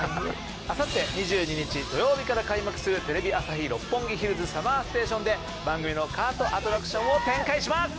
あさって２２日土曜日から開幕するテレビ朝日・六本木ヒルズＳＵＭＭＥＲＳＴＡＴＩＯＮで番組のカートアトラクションを展開します。